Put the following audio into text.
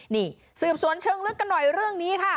นี่สืบสวนเชิงลึกกันหน่อยเรื่องนี้ค่ะ